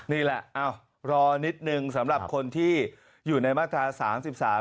นี่แหละรอนิดนึงสำหรับคนที่อยู่ในมาตรา๓๓